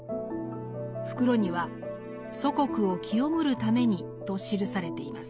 袋には「祖国を潔むる為に！」と記されています。